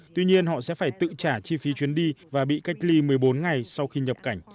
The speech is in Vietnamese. tuy nhiên họ sẽ phải tự trả chi phí chuyến đi và bị cách ly một mươi bốn ngày sau khi nhập cảnh